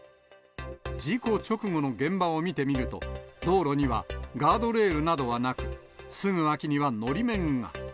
事故直後の現場を見てみると、道路にはガードレールなどはなく、すぐ脇にはのり面が。